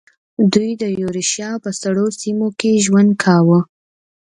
دوی د یوریشیا په سړو سیمو کې ژوند کاوه.